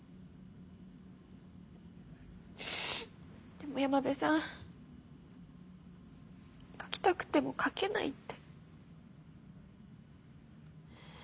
でも山辺さん書きたくても書けないって。